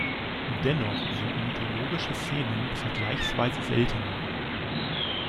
Dennoch sind mythologische Szenen vergleichsweise selten.